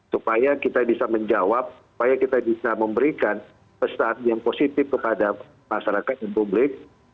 supaya kita bisa menjawab supaya kita bisa memberikan pesan yang positif kepada masyarakat dan publik